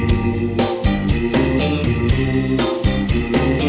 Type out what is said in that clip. พูดมาพวก